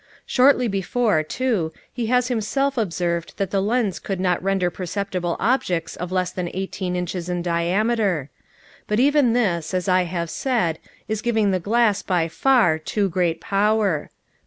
Shortly before, too, he has himself observed that the lens would not render perceptible objects of less than eighteen inches in diameter; but even this, as I have said, is giving the glass by far too great power.